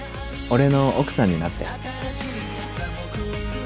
俺の奥さんになって